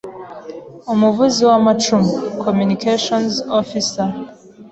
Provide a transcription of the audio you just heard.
Umuvuzi w’amacumu: Communications Offi cer.